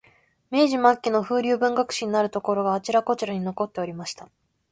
明治末期の風流文学史になるところが、あちらこちらに残っておりました